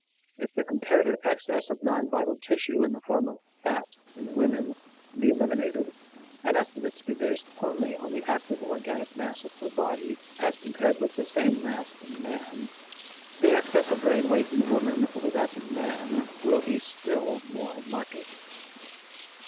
If the comparative excess of non vital tissue in the form of fat in woman be eliminated and estimates be based only on the active organic mass of her body, as compared with the same mass in man, the excess of brain weight in woman over that in man will be still more marked.